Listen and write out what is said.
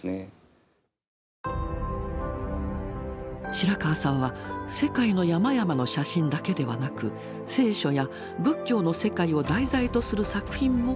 白川さんは世界の山々の写真だけではなく聖書や仏教の世界を題材とする作品も手がけるようになります。